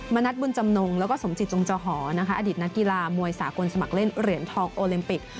นัทบุญจำนงแล้วก็สมจิตจงจอหอนะคะอดีตนักกีฬามวยสากลสมัครเล่นเหรียญทองโอลิมปิก